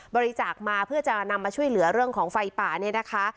บริจาคมาเพื่อจะนำมาช่วยเหลือเรื่องของไฟป่าเนี่ยนะคะ